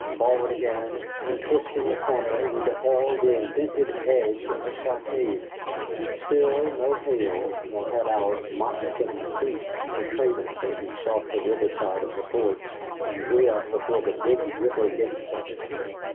Forward again, and twisting a corner, we beheld the indented edge of the stockade. Still no hail, nor had our moccasined feet betrayed us as we sought the river side of the fort and drew up before the big river gates of it.